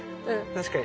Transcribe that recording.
確かに。